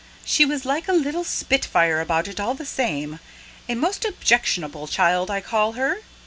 "She was like a little spitfire about it all the same. A most objectionable child, I call her.